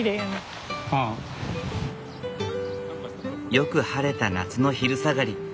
よく晴れた夏の昼下がり。